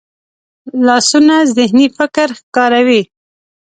لاسونه ذهني فکر ښکاروي